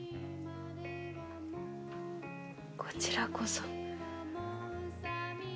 こちらこそ。